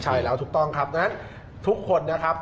ใช่แล้วถูกต้องครับดังนั้นทุกคนนะครับ